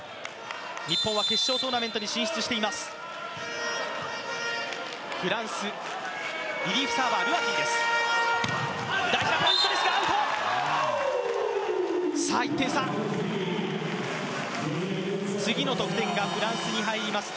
日本は決勝トーナメントに進出しています。